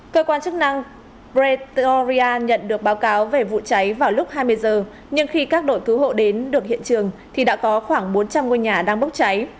cơ quan chức năng pretoria nhận được báo cáo về vụ cháy vào lúc hai mươi giờ nhưng khi các đội cứu hộ đến được hiện trường thì đã có khoảng bốn trăm linh ngôi nhà đang bốc cháy